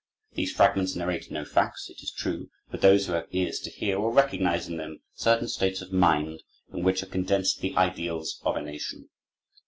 These fragments narrate no facts, it is true; but 'those who have ears to hear' will recognize in them certain states of mind, in which are condensed the ideals of a nation.